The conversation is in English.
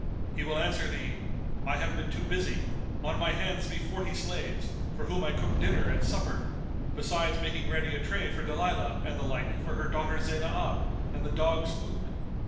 He will answer thee, I have been too busy: on my hands be forty slaves, for whom I cook dinner and supper, besides making ready a tray for Dalilah and the like for her daughter Zaynab and the dogs' food.